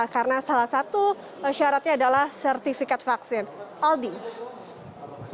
karena salah satu syaratnya adalah sertifikat vaksin